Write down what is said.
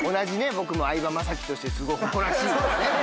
僕も相葉雅紀としてすごく誇らしいですね。